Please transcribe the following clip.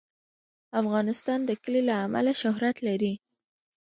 افغانستان د کلي له امله شهرت لري.